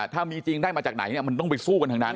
ถ้ามีจริงได้มาจากไหนมันต้องไปสู้กันทางนั้น